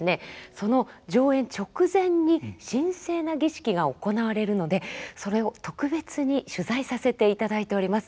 その上演直前に神聖な儀式が行われるのでそれを特別に取材させていただいております。